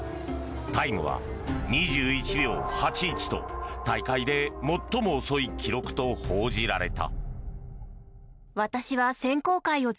タイムは２１秒８１と大会で最も遅い記録と報じられた。